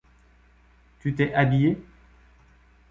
Tu t’es habillée...